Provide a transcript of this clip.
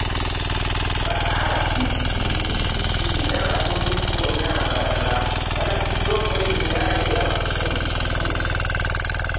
Ba RPC, DPC n'abaduumizi bonna abalala balagiddwa okwerinda era bafune buli kimu